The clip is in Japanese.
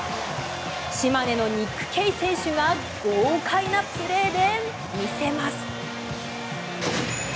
島根のニック・ケイ選手が豪快なプレーで見せます。